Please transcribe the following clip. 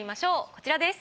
こちらです。